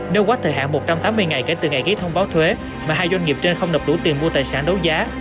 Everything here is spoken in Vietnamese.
nếu quá thời hạn một trăm tám mươi ngày kể từ ngày ký thông báo thuế mà hai doanh nghiệp trên không nục đủ tiền mua tài sản đấu giá